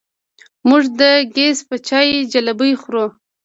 موږ د ګیځ په چای جلبۍ خورو.